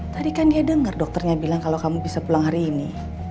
tadi kan dia dengar dokternya bilang kalau kamu bisa pulang hari ini